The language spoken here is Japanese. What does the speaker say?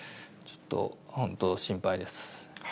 ちょっと本当、心配です。